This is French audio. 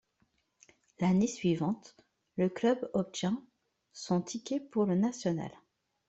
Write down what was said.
L'année suivante, le club obtient son ticket pour le National.